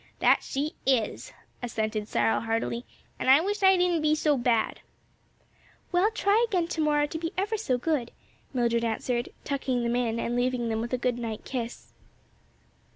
"That she is!" assented Cyril, heartily, "an' I wish I didn't be so bad." "Well, try again to morrow to be ever so good," Mildred answered, tucking them in and leaving them with a good night kiss.